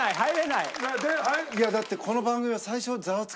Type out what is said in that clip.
いやだってこの番組は。